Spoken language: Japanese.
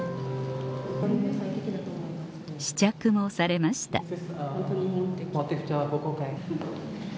試着もされましたハハハ。